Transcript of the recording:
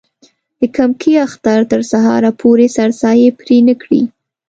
د کمکي اختر تر سهاره پورې سرسایې پرې نه کړي.